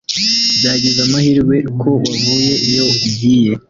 Byagize amahirwe ko wavuye iyo ugiye